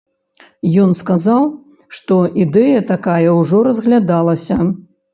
Ён сказаў, што ідэя такая ўжо разглядалася.